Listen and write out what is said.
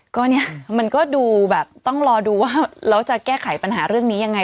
ก็เนี่ยมันก็ดูแบบต้องรอดูว่าเราจะแก้ไขปัญหาเรื่องนี้ยังไง